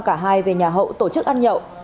cả hai về nhà hậu tổ chức ăn nhậu